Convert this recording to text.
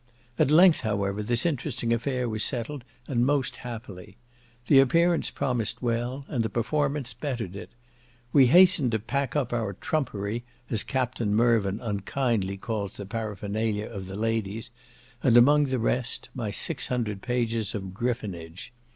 At length, however, this interesting affair was settled, and most happily. The appearance promised well, and the performance bettered it. We hastened to pack up our "trumpery," as Captain Mirven unkindly calls the paraphernalia of the ladies, and among the rest, my six hundred pages of griffonage.